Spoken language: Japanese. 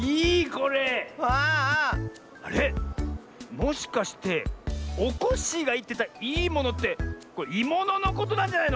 もしかしておこっしぃがいってた「いいもの」って「いもの」のことなんじゃないの？